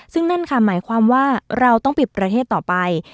ซึ่งนั่นค่ะหมายความว่าเราต้องปิดประเทศต่อไป